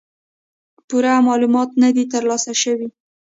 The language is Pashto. پوره معلومات نۀ دي تر لاسه شوي